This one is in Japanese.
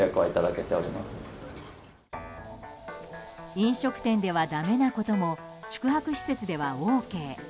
飲食店ではだめなことも宿泊施設ではＯＫ。